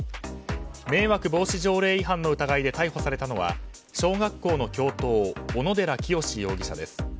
迷惑防止条例違反の疑いで逮捕されたのは、小学校の教頭小野寺清容疑者です。